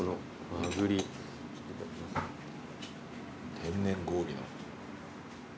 天然氷の。